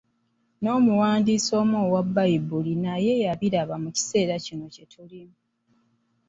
N'omuwandiisi omu owa Bbayibuli naye yabiraba mu ekiseera kino kye tuyitamu.